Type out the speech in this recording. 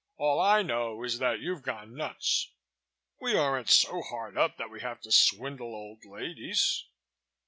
All I know is that you've gone nuts." "We aren't so hard up that we have to swindle old ladies."